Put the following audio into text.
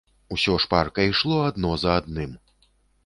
Усё шпарка ішло адно за адным.